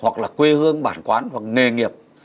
hoặc là quê hương bản quán hoặc nghề nghiệp